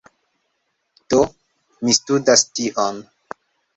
Do, mi studas tion